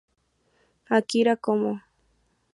Akira Konno